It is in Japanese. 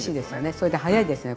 それで早いですよね。